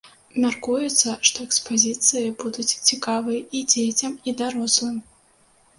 Мяркуецца, што экспазіцыі будуць цікавыя і дзецям і дарослым.